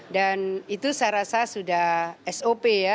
dan itu saya rasa sudah sop ya